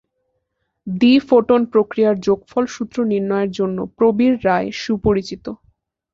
দ্বি-ফোটন প্রক্রিয়ার যোগফল সূত্র নির্ণয়ের জন্য প্রবীর রায় সুপরিচিত।